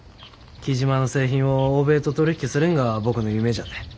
雉真の製品を欧米と取り引きするんが僕の夢じゃて。